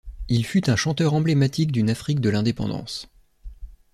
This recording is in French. Il fut un chanteur emblématique d’une Afrique de l'indépendance.